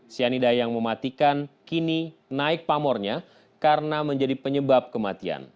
cyanida yang mematikan kini naik pamornya karena menjadi penyebab kematian